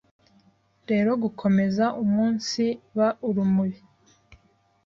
rero gukomeza umunsiba urumuri